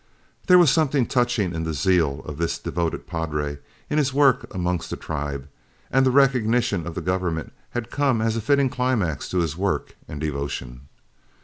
There was something touching in the zeal of this devoted padre in his work amongst the tribe, and the recognition of the government had come as a fitting climax to his work and devotion.